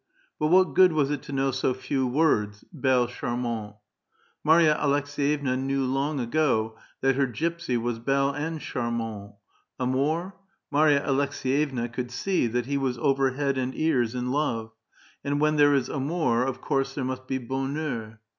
But what good was it to know so few words, — belle, charmantef Marya Aleks^yevna knew long ago that her gypsy was belle and cha)'mante. Amour — Marya Aleks^yevna could see that he was over head and ears in love ; and when there is amour, of course there must be bonheur.